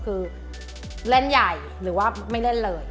คือเล่นใหญ่หรือว่าไม่เล่นเลย